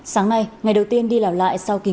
sáng nay ngày đầu tiên đi lảo lại sau kỳ diễn